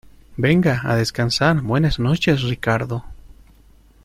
venga, a descansar. buenas noches , Ricardo .